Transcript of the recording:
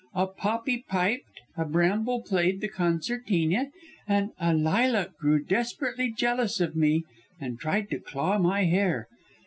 A poppy piped, a bramble played the concertina, and a lilac grew desperately jealous of me and tried to claw my hair.